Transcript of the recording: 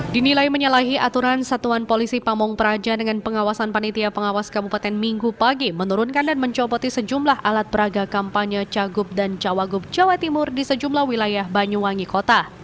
dinilai menyalahi aturan satuan polisi pamung praja dengan pengawasan panitia pengawas kabupaten minggu pagi menurunkan dan mencopoti sejumlah alat peraga kampanye cagup dan cawagup jawa timur di sejumlah wilayah banyuwangi kota